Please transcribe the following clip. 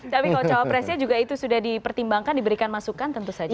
tapi kalau cawapresnya juga itu sudah dipertimbangkan diberikan masukan tentu saja